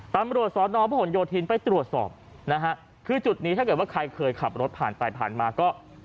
ตำรวจสอนอพระหลโยธินไปตรวจสอบนะฮะคือจุดนี้ถ้าเกิดว่าใครเคยขับรถผ่านไปผ่านมาก็